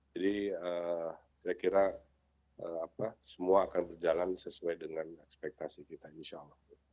jadi saya kira semua akan berjalan sesuai dengan ekspektasi kita insyaallah